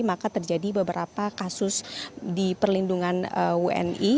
maka terjadi beberapa kasus di perlindungan wni